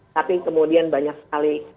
tapi kemudian banyak sekali